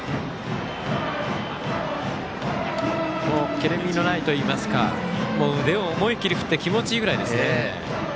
けれんみのないといいますか腕を思い切り振って気持ちいいぐらいですね。